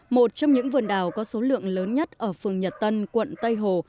một trong những vườn đào có số lượng lớn nhất ở phường nhật tân quận tây hồ